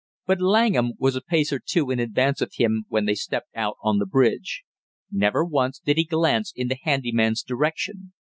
But Langham was a pace or two in advance of him when they stepped out on the bridge. Never once did he glance in the handy man's direction.